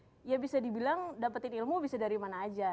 jadi ya bisa dibilang dapetin ilmu bisa dari mana aja